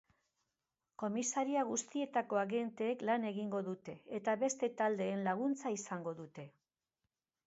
Komisaria guztien agenteek lan egingo dute eta beste taldeen laguntza izango dute.